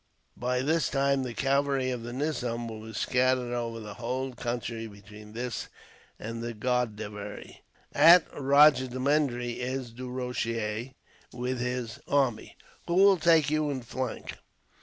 By this time, the cavalry of the nizam will be scattered over the whole country between this and the Godavery. At Rajahmahendri is Du Rocher, with his army, who will take you in flank.